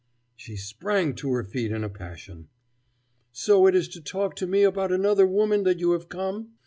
She sprang to her feet in a passion. "So it is to talk to me about another woman that you have come?